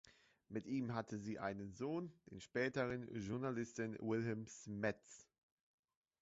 Mit ihm hatte sie einen Sohn, den späteren Journalisten Wilhelm Smets.